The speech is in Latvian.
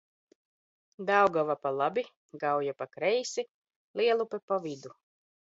Daugava pa labi, Gauja pa kreisi, Lielupe pa vidu.